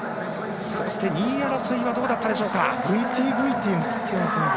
そして２位争いはどうだったでしょうか。